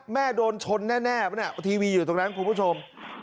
แม่โดนชนแน่แน่ปะเนี้ยทีวีอยู่ตรงนั้นคุณผู้ชม